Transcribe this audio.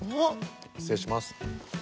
失礼します。